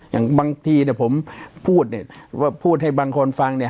อย่างบางทีผมพูดเนี่ยว่าพูดให้บางคนฟังเนี่ย